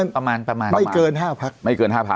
ประมาณประมาณไม่เกิน๕พักไม่เกิน๕พัก